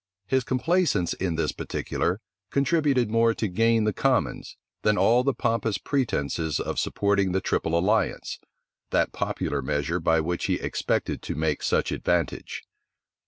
His complaisance in this particular contributed more to gain the commons, than all the pompous pretences of supporting the triple alliance, that popular measure by which he expected to make such advantage.